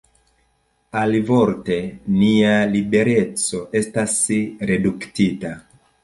Alivorte, nia libereco estas reduktita.